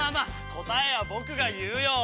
こたえはぼくがいうよ。